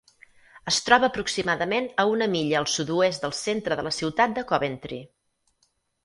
Es troba aproximadament a una milla al sud-oest del centre de la ciutat de Coventry.